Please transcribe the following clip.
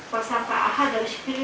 tersangka hm dari amatak pori